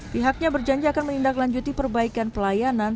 pihaknya berjanjikan menindaklanjuti perbaikan pelayanan